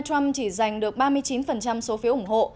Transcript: trump chỉ giành được ba mươi chín số phiếu ủng hộ